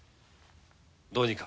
どうにか。